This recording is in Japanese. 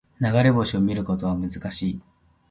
流れ星を見ることは難しい